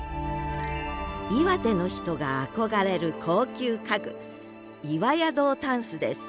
岩手の人が憧れる高級家具岩谷堂箪笥です。